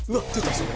それ。